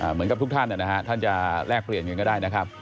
เหมือนกับทุกท่านท่านจะแลกเปลี่ยนเงินก็ได้นะครับ